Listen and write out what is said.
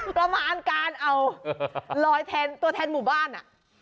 ประมาณการเอาลอยแทนตัวแทนหมู่บ้านอ่ะ